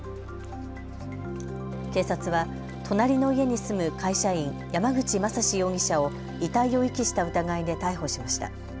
警察は隣の家に住む会社員、山口正司容疑者を遺体を遺棄した疑いで逮捕しました。